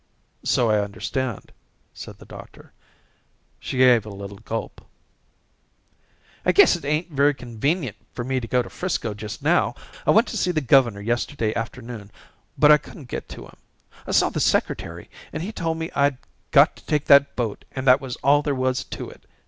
"So I understand," said the doctor. She gave a little gulp. "I guess it ain't very convenient for me to go to 'Frisco just now. I went to see the governor yesterday afternoon, but I couldn't get to him. I saw the secretary, and he told me I'd got to take that boat and that was all there was to it.